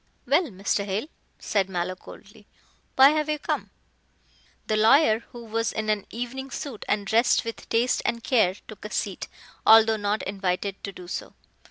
"Well, Mr. Hale," said Mallow coldly, "why have you come?" The lawyer, who was in an evening suit and dressed with taste and care, took a seat, although not invited to do so.